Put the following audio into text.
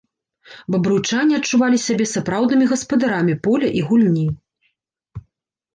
Бабруйчане адчувалі сябе сапраўднымі гаспадарамі поля і гульні.